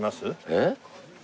えっ？